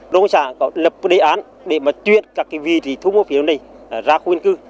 đồng xã có lập đề án để mà chuyển các cái vị trí thu mua phế liệu này ra khu yên cư